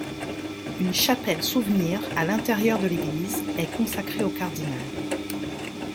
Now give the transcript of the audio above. Une chapelle souvenir à l'intérieur de l'église est consacrée au cardinal.